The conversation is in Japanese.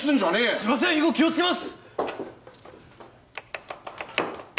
すいません以後気をつけます！